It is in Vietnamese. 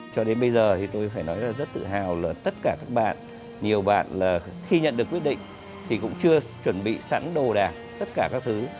cho đến bây giờ thì tôi phải nói là rất tự hào là tất cả các bạn nhiều bạn là khi nhận được quyết định thì cũng chưa chuẩn bị sẵn đồ đạc tất cả các thứ